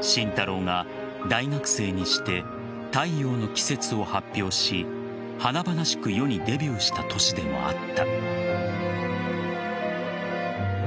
慎太郎が大学生にして「太陽の季節」を発表し華々しく世にデビューした年でもあった。